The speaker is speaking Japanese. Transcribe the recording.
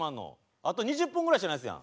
あと２０分ぐらいしかないですやん。